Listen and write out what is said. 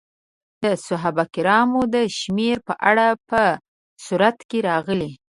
د صحابه کرامو د شمېر په اړه په سورت کې راغلي.